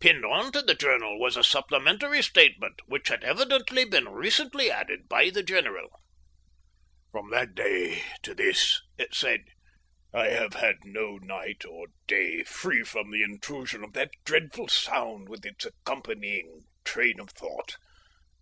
Pinned on to the journal was a supplementary statement which had evidently been recently added by the general. "From that day to this," it said, "I have had no night or day free from the intrusion of that dreadful sound with its accompanying train of thought.